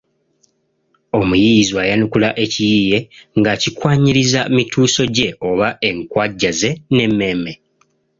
Omuyiiyizwa ayanukula ekiyiiye ng’akikwanyiriza mituuso gye oba enkwajja ze n'emmeeme.